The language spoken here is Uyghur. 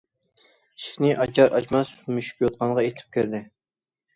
ئىشىكنى ئاچار- ئاچماس مۈشۈك يوتقانغا ئېتىلىپ كىردى.